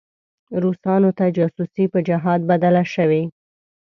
روسانو ته جاسوسي په جهاد بدله شوې.